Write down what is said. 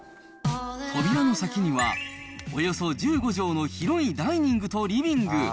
扉の先には、およそ１５畳の広いダイニングとリビング。